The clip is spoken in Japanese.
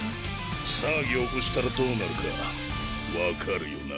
騒ぎを起こしたらどうなるか分かるよな？